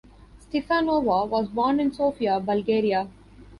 Stefanova was born in Sofia, Bulgaria.